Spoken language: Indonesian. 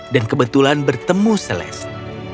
dan kebetulan bertemu celeste